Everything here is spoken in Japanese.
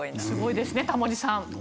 すごいですねタモリさん。